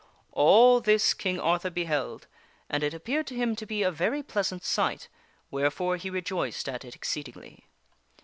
All this King Arthur beheld, and it appeared to him to be a very pleas ant sight, wherefore he rejoiced at it exceedingly.